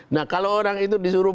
nah kalau orang itu disuruh